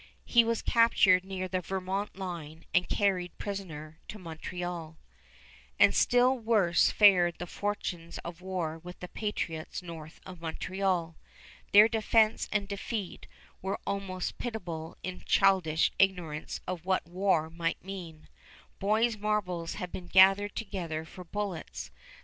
He was captured near the Vermont line and carried prisoner to Montreal. [Illustration: SIR JOHN COLBORNE, GOVERNOR OF CANADA, 1838 1841] And still worse fared the fortunes of war with the patriots north of Montreal. Their defense and defeat were almost pitiable in childish ignorance of what war might mean. Boys' marbles had been gathered together for bullets.